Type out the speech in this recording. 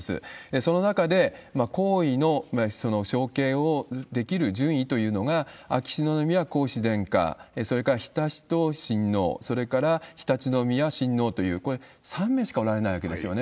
その中で皇位のその承継をできる順位というのが秋篠宮皇嗣殿下、それから悠仁親王、それから常陸宮親王という、これ、３名しかおられないわけですよね。